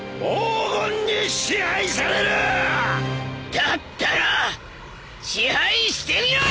だったら支配してみろよ！！